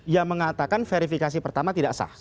yang mengatakan verifikasi pertama tidak sah